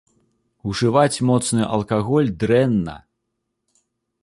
Ужываць моцны алкаголь дрэнна!